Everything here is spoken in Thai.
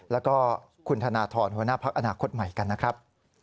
แล้วก็คุณธนทรหัวหน้าพักอนาคตใหม่กันนะครับ